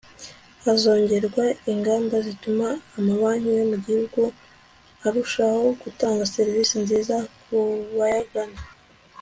hazongerwa ingamba zituma amabanki yo mu gihugu arushaho gutanga serivisi nziza ku bayagana